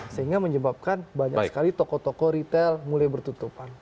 sehingga menyebabkan banyak sekali toko toko retail mulai bertutupan